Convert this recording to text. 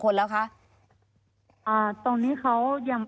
ตอนนี้เขายัง